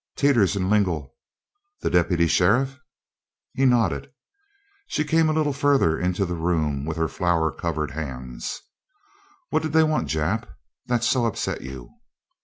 "Teeters and Lingle." "The deputy sheriff?" He nodded. She came a little further into the room with her flour covered hands. "What did they want, Jap, that's so upset you?"